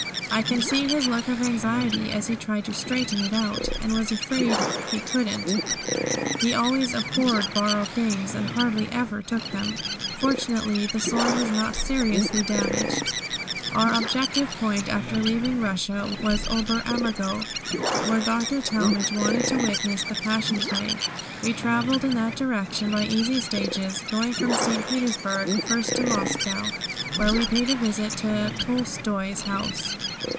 I can see his look of anxiety as he tried to straighten it out, and was afraid he couldn't. He always abhorred borrowed things and hardly ever took them. Fortunately, the sword was not seriously damaged. Our objective point after leaving Russia was Ober Ammergau, where Dr. Talmage wanted to witness the Passion Play. We travelled in that direction by easy stages, going from St. Petersburg first to Moscow, where we paid a visit to Tolstoi's house.